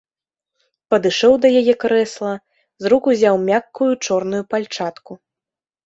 Падышоў да яе крэсла, з рук узяў мяккую чорную пальчатку.